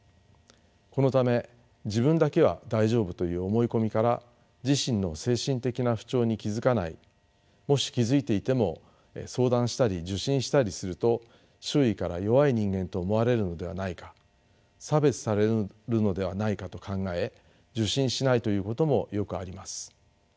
このため自分だけは大丈夫という思い込みから自身の精神的な不調に気付かないもし気付いていても相談したり受診したりすると周囲から弱い人間と思われるのではないか差別されるのではないかと考え受診しないということもよくあります。